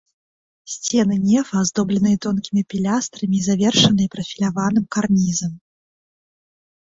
Сцены нефа аздобленыя тонкімі пілястрамі і завершаныя прафіляваным карнізам.